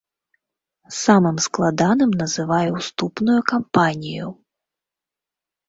Самым складаным называе уступную кампанію.